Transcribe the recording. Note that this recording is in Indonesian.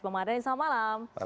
bang mardhan selamat malam